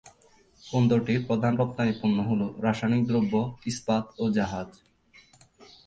বন্দরটির প্রধান রপ্তানি পন্য হল- রাসায়নিক দ্রব্য, ইস্পাত ও জাহাজ।